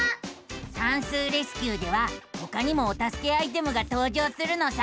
「さんすうレスキュー！」ではほかにもおたすけアイテムがとう場するのさ。